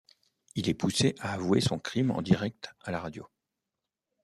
Il est poussé à avouer son crime en direct à la radio.